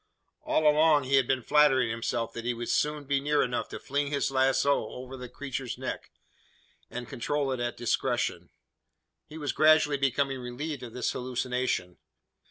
All along he had been flattering himself that he would soon be near enough to fling his lazo over the creature's neck, and control it at discretion. He was gradually becoming relieved of this hallucination.